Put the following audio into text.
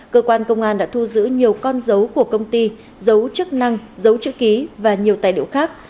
cơ quan công an đã thu giữ nhiều con dấu của công ty dấu chức năng giấu chữ ký và nhiều tài liệu khác